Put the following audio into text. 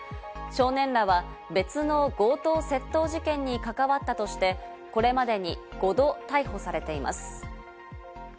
少年らは別の強盗・窃盗事件に関わったとして、これまでに５度逮捕されています。